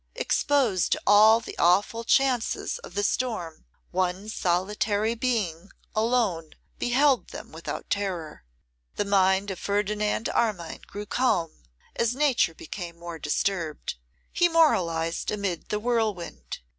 Exposed to all the awful chances of the storm, one solitary being alone beheld them without terror. The mind of Ferdinand Armine grew calm, as nature became more disturbed. He moralised amid the whirlwind.